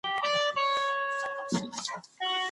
ایا تخلیقي او تحقیقي ادب توپیر لري؟